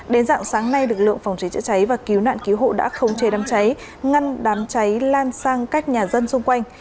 đến dạng sáng nay lực lượng phòng cháy chữa cháy và cứu nạn cứu hộ đã khống chế đám cháy ngăn đám cháy lan sang các nhà dân xung quanh